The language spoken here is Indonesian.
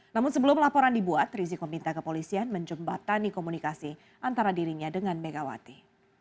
namun sebelum laporan dibuat rizik meminta kepolisian menjembatani komunikasi antara dirinya dengan megawati